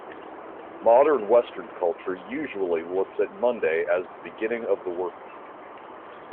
Modern Western culture usually looks at Monday as the beginning of the workweek.